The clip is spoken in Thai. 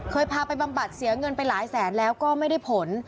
พาไปบำบัดเสียเงินไปหลายแสนแล้วก็ไม่ได้ผล